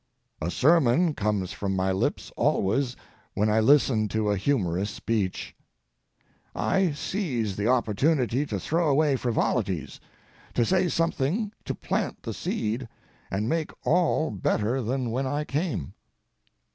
A sermon comes from my lips always when I listen to a humorous speech. I seize the opportunity to throw away frivolities, to say something to plant the seed, and make all better than when I came.